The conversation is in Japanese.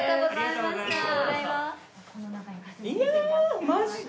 いやあマジで？